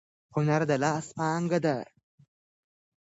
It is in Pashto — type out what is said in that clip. هنر د لاس پانګه ده.